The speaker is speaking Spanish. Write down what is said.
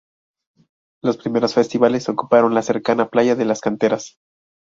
Los primeros festivales ocuparon la cercana Playa de las Canteras.